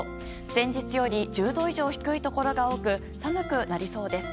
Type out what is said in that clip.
前日より１０度以上低いところが多く寒くなりそうです。